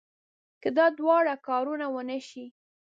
که دا دواړه کارونه ونه شي.